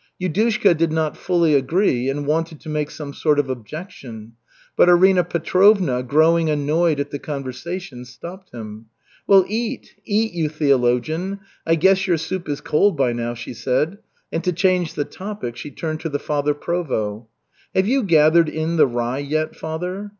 Yudushka did not fully agree and wanted to make some sort of objection, but Arina Petrovna, growing annoyed at the conversation, stopped him. "Well, eat, eat, you theologian. I guess your soup is cold by now," she said, and to change the topic she turned to the Father Provost. "Have you gathered in the rye yet, Father?"